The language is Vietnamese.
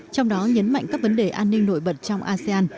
trong đó nhấn mạnh các vấn đề an ninh nổi bật trong asean